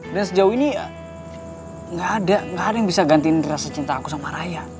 dan sejauh ini gak ada yang bisa gantiin rasa cinta aku sama raya